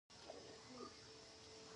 ښارونه د افغانستان د زرغونتیا نښه ده.